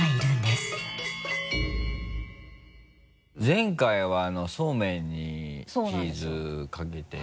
前回はそうめんにチーズかけて。